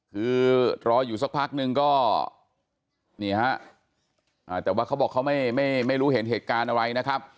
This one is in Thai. คือรออยู่สักพักนึงก็นี่ฮะแต่ว่าเขาบอกเขาไม่รู้เห็นเหตุการณ์อะไรนะครับ